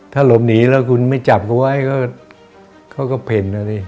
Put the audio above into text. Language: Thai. ถ้าหลบหนีแล้วคุณไม่จับเขาไว้ก็เขาก็เพ่นนะดิ